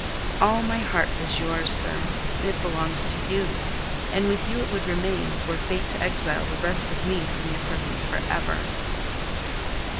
All my heart is yours, sir: it belongs to you; and with you it would remain, were fate to exile the rest of me from your presence for ever."